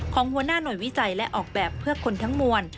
ของหัวหน้าหน่วยวิจัยและออกแบบเพื่อคนทั้งมวล